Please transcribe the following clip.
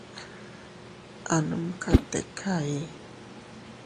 A numka tika ii.